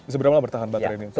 seberapa bertahan baterai ini